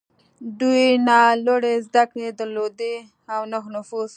دوی نه لوړې زدهکړې درلودې او نه نفوذ.